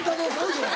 それ。